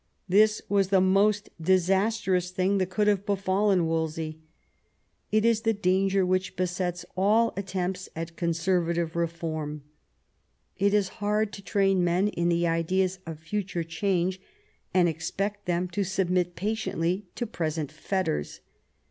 This was the most disastrous thing that could have befallen Wolsey : it is the danger which besets all attempts at conservative reform. It is hard to train men in the ideas of future change, and expect them to submit patiently to present fetters.